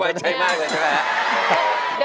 ใจมากเลยใช่ไหมครับ